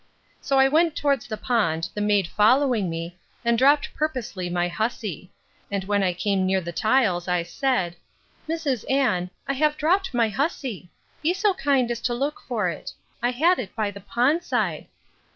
So I went towards the pond, the maid following me, and dropt purposely my hussy: and when I came near the tiles, I said, Mrs. Anne, I have dropt my hussy; be so kind as to look for it; I had it by the pond side.